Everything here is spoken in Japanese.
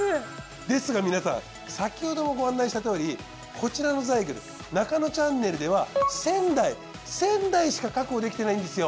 ですが皆さん先ほどもご案内したとおりこちらのザイグル『ナカノチャンネル』では１，０００台１，０００台しか確保できてないんですよ。